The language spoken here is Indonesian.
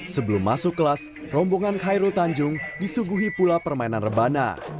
sebelum masuk kelas rombongan khairul tanjung disuguhi pula permainan rebana